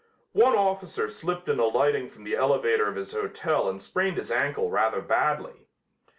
One officer slipped in alighting from the elevator of his hotel and sprained his ankle rather badly.